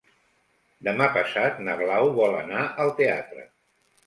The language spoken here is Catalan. Demà passat na Blau vol anar al teatre.